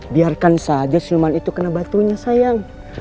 biarkan saja seniman itu kena batunya sayang